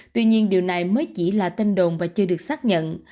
tuy nhiên điều này mới chỉ là tin đồn và chưa được xác nhận